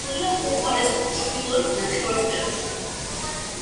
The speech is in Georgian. გავრცელებულია უმთავრესად ჩრდილოეთ ნახევარსფეროში.